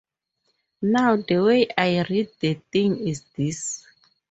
Now the way I read the thing is this.